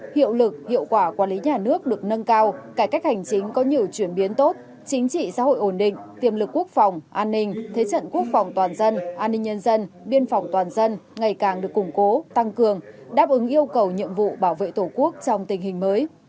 hiệu lực hiệu quả quản lý nhà nước được nâng cao cải cách hành chính có nhiều chuyển biến tốt chính trị xã hội ổn định tiềm lực quốc phòng an ninh thế trận quốc phòng toàn dân an ninh nhân dân biên phòng toàn dân ngày càng được củng cố tăng cường đáp ứng yêu cầu nhiệm vụ bảo vệ tổ quốc trong tình hình mới